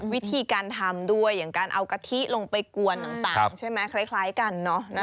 วิธีการทำด้วยอย่างการเอากะทิลงไปกวนต่างใช่ไหมคล้ายกันเนอะ